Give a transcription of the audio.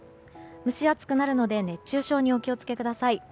蒸し暑くなるので熱中症にお気を付けください。